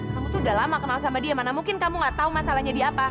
kamu tuh udah lama kenal sama dia mana mungkin kamu gak tahu masalahnya di apa